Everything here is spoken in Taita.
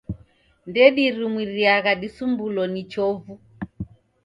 Ndedirumiriagha disumbulo ni chovu.